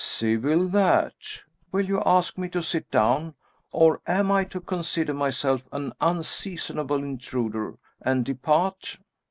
"Civil, that! Will you ask me to sit down, or am I to consider myself an unseasonable intruder, and depart?"